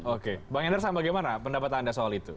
oke bang ender sama bagaimana pendapat anda soal itu